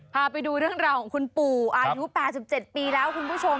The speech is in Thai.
พาไปดูเรื่องราวของคุณปู่อายุ๘๗ปีแล้วคุณผู้ชม